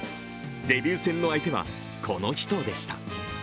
デビュー戦の相手はこの人でした。